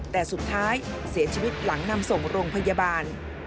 แต่สุดท้ายเสียชีวิตหลังนำส่งโรงพยาบาล